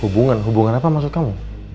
hubungan hubungan apa maksud kamu